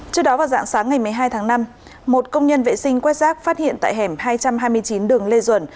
trước đó vào dạng sáng ngày một mươi hai tháng năm một công nhân vệ sinh quét rác phát hiện tại hẻm hai trăm hai mươi chín đường lê duẩn